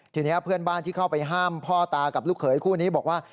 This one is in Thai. ทีนี้เพื่อนบ้านที่เข้าไปห้ามพ่อตากับลูกเขยคู่นี้บอกว่า